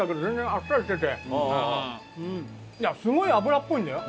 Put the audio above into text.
すごい脂っぽいんだよ。